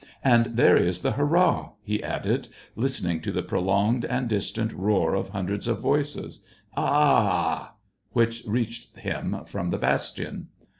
And there is the hurrah !" he added, listening to the prolonged and distant roar of hundreds of voices, " A a aa!" which reached him from the bastion.